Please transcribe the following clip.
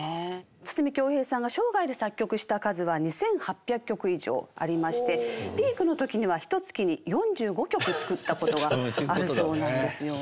筒美京平さんが生涯で作曲した数は２，８００曲以上ありましてピークの時にはひとつきに４５曲作ったことがあるそうなんですよね。